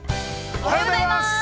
◆おはようございます。